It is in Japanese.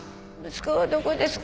息子はどこですか？